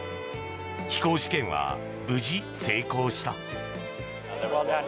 飛行試験は無事成功した。